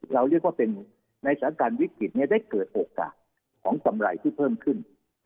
เรียกว่าเป็นในสถานการณ์วิกฤตได้เกิดโอกาสของกำไรที่เพิ่มขึ้น